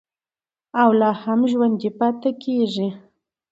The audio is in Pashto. او لا هم ژوندی پاتې کیږي.